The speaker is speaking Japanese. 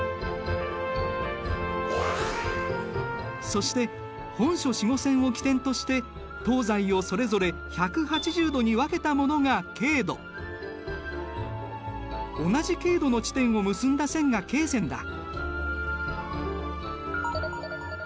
そして本初子午線を基点として東西をそれぞれ１８０度に分けたものが経度同じ経度の地点を結んだ線が経線だ。